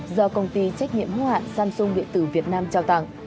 do công ty trách nhiệm hữu hạn samsung điện tử việt nam trao tặng